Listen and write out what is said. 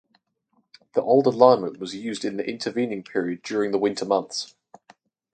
The old alignment was used in the intervening period during the winter months.